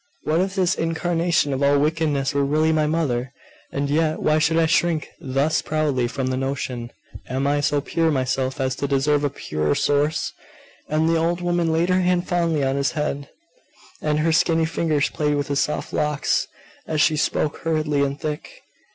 'What if this incarnation of all wickedness were really my mother?.... And yet why should I shrink thus proudly from the notion? Am I so pure myself as to deserve a purer source?'.... And the old woman laid her hand fondly on his head, and her skinny fingers played with his soft locks, as she spoke hurriedly and thick.